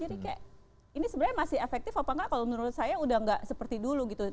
jadi kayak ini sebenarnya masih efektif apa enggak kalau menurut saya udah gak seperti dulu gitu